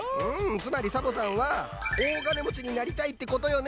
つまりサボさんは大金もちになりたいってことよね？